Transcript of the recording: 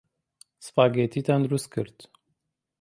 سپاگێتییان دروست کرد.